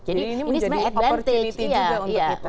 jadi ini menjadi opportunity juga untuk kita